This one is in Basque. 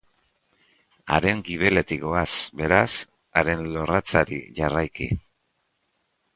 Haren gibeletik goaz, beraz, haren lorratzari jarraiki.